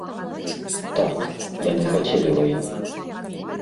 Так, яны хацелі вайны.